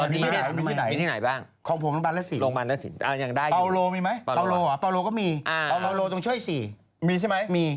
มีใช่ไหม